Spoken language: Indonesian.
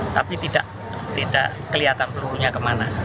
tapi tidak kelihatan pelurunya kemana